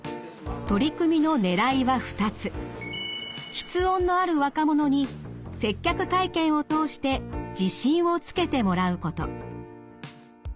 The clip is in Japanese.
吃音のある若者に接客体験を通して自信をつけてもらうこと。